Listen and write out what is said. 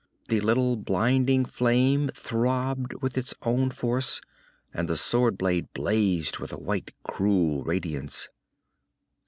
The little, blinding flame throbbed with its own force, and the sword blade blazed with a white, cruel radiance.